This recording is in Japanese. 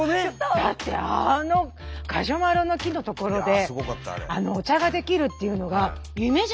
だってあのガジュマルの樹の所でお茶ができるっていうのが夢じゃないですか。